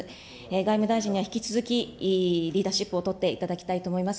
外務大臣には引き続き、リーダーシップを執っていただきたいと思います。